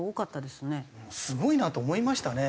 すごいなと思いましたね。